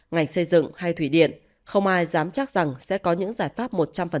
ngành xây dựng hay thủy điện không ai dám chắc rằng sẽ có những giải pháp một trăm linh